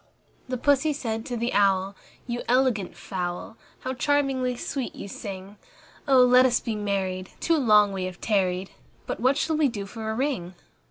II Pussy said to the Owl, "You elegant fowl, How charmingly sweet you sing! Oh! let us be married; too long we have tarried; But what shall we do for a ring?"